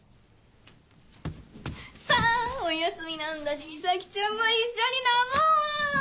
さぁお休みなんだしミサキちゃんも一緒に飲もう！